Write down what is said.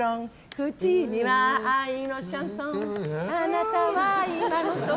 口には愛のシャンソンあなたは居間の傍。